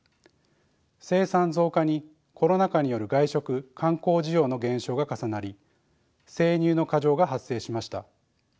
生産増加にコロナ禍による外食・観光需要の減少が重なり生乳の過剰が発生しました。